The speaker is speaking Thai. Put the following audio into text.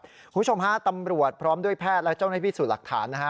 คุณผู้ชมฮะตำรวจพร้อมด้วยแพทย์และเจ้าหน้าที่พิสูจน์หลักฐานนะฮะ